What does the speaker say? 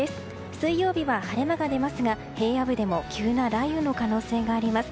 水曜日は晴れ間が出ますが平野部でも急な雷雨の可能性があります。